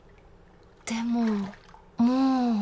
でももう